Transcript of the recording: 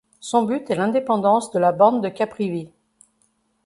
Son but est l'indépendance de la bande de Caprivi.